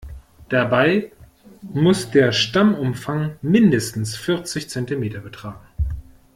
Dabei muss der Stammumfang mindestens vierzig Zentimeter betragen.